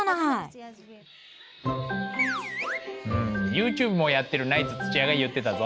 ユーチューブもやってるナイツ土屋が言ってたぞ。